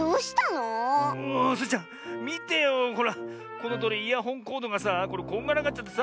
このとおりイヤホンコードがさこんがらがっちゃってさ